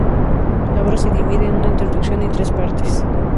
La obra se divide en una introducción y tres partes.